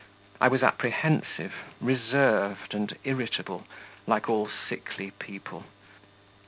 I was apprehensive, reserved, and irritable, like all sickly people.